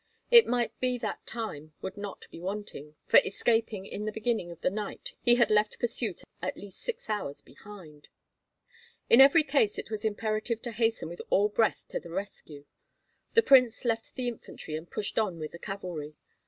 It might be that time would not be wanting, for escaping in the beginning of the night he had left pursuit at least six hours behind. In every case it was imperative to hasten with all breath to the rescue. The prince left the infantry, and pushed on with the cavalry.